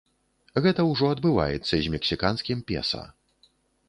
Гэта ўжо адбываецца з мексіканскім песа.